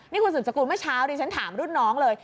นี่คุณสุดสกุลเมื่อเช้าดิฉันถามรุ่นน้องเลย